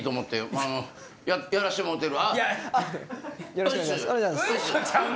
やらしてもうてる。